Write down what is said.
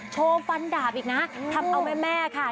โชว์ฟันดาบอีกนะคะทำเอาแม่ค่ะ